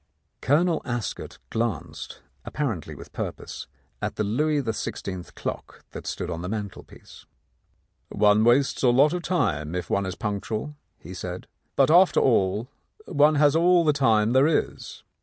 Colonel Ascot glanced, apparently with purpose, at the Louis XVI. clock that stood on the mantelpiece. "One wastes a lot of time if one is punctual," he said. "But, after all, one has all the time there is."